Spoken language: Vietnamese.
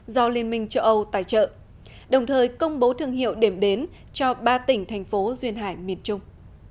do liên minh châu âu tài trợ đồng thời công bố thương hiệu điểm đến cho ba tỉnh thành phố duyên hải miền trung